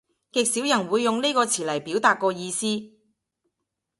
極少人會用呢個詞嚟表達個意思